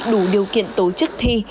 đủ điều kiện tổ chức thi